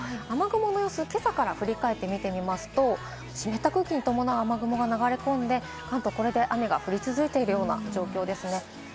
雨雲の様子、今朝から振り返ってみますと湿った空気に伴う雨雲が流れ込んで関東は雨が降り続いている状況です。